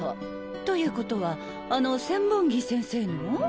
ということはあの千本木先生の？